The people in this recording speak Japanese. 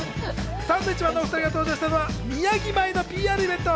サンドウィッチマンのお２人が登場したのは、宮城米のＰＲイベント。